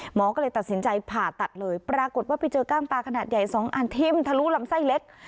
หมอก็เลยตัดสินใจผ่าตัดเลยปรากฏว่าไปเจอกล้างปลาขนาดใหญ่๒อันทิ่มทะลุลำไส้เล็ก